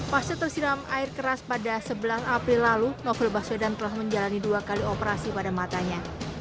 pasca tersiram air keras pada sebelas april lalu novel baswedan telah menjalani dua kali operasi pada matanya